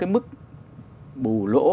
cái mức bù lỗ